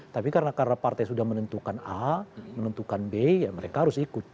tapi karena partai sudah menentukan a menentukan b ya mereka harus ikut